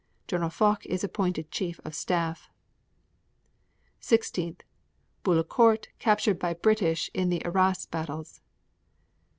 Gen. Foch is appointed Chief of Staff. 16. Bullecourt captured by British in the Arras battles.